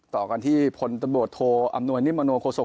ต่อกันที่ผลตบทโทอำนวยนิมโมโนโคศก